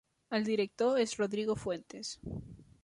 El director és Rodrigo Fuentes.